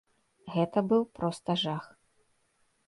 Гэта быў проста жах.